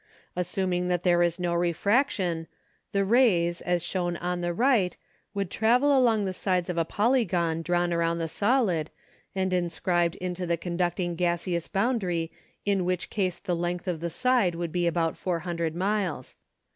Assuming that there is no refraction, the rays, as shown on the right, would travel along the sides of a polygon drawn around the solid, and inscribed into the conducting gaseous boundary in which case the length of the side would be about 400 miles.